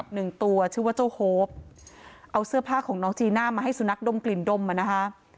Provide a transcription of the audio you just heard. หนึ่งตัวชื่อว่าเจ้าโฮปเอาเสื้อผ้าของน้องจีน่ามาให้สุนัขดมกลิ่นดมอ่ะนะคะ